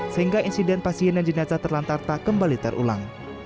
sehingga insiden pasien dan jenazah terlantar tak kembali terulang